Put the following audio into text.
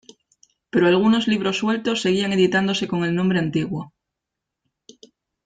Pero algunos libros sueltos seguían editándose con el nombre antiguo.